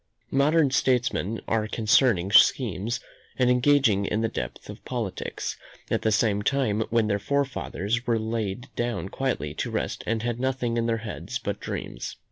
Modern statesmen are concerting schemes, and engaged in the depth of politics, at the time when their forefathers were laid down quietly to rest and had nothing in their heads but dreams.